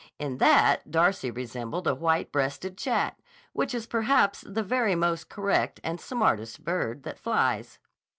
In that Darcy resembled a white breasted chat, which is perhaps the very most correct and smartest bird that flies.